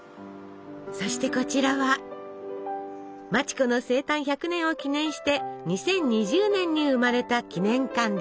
そしてこちらは町子の生誕１００年を記念して２０２０年に生まれた記念館です。